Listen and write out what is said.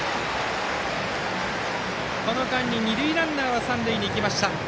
この間に二塁ランナー三塁に行きました。